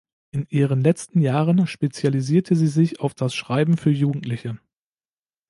In ihren letzten Jahren spezialisierte sie sich auf das Schreiben für Jugendliche.